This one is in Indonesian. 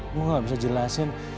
saya tidak bisa jelaskan